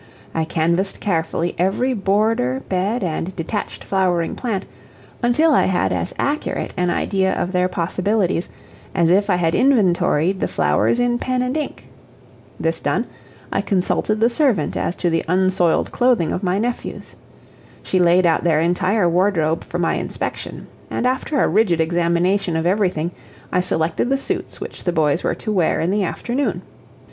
I canvassed carefully every border, bed, and detached flowering plant until I had as accurate an idea of their possibilities as if I had inventoried the flowers in pen and ink. This done, I consulted the servant as to the unsoiled clothing of my nephews. She laid out their entire wardrobe for my inspection, and after a rigid examination of everything I selected the suits which the boys were to wear in the afternoon.